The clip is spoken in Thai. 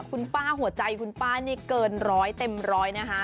คุณป้าหัวใจคุณป้านี่เกินร้อยเต็มร้อยนะคะ